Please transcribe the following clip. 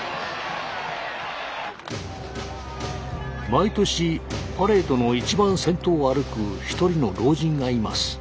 毎年パレードの一番先頭を歩く一人の老人がいます。